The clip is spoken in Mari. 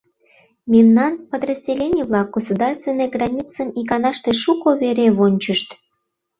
Мемнан подразделений-влак государственный границым иканаште шуко вере вончышт.